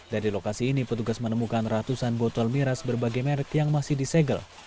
dari lokasi ini petugas menemukan ratusan botol miras berbagai merek yang masih disegel